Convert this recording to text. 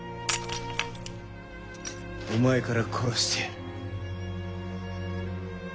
お前から殺してやる。